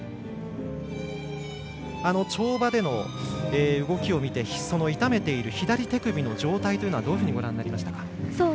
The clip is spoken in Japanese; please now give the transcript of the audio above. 跳馬での動きを見て痛めている左手首の状態というのはどういうふうにご覧になりましたか。